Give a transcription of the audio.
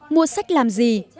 mua sách làm gì